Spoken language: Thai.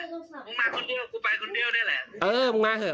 มึงมาคนเดียวกูไปคนเดียวนี่แหละเออมึงมาเหอ